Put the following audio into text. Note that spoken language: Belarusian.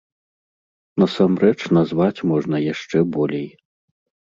Насамрэч назваць можна яшчэ болей.